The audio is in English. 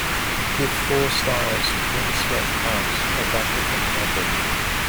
Give four stars to Windswept House: A Vatican Novel